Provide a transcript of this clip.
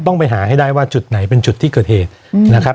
ต้องไปหาให้ได้ว่าจุดไหนเป็นจุดที่เกิดเหตุนะครับ